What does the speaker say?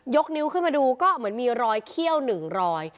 นิ้วขึ้นมาดูก็เหมือนมีรอยเขี้ยวหนึ่งรอย